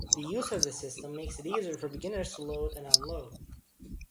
The use of this system makes it easier for beginners to load and unload.